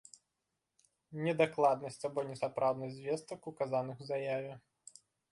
Недакладнасць або несапраўднасць звестак, указаных у заяве.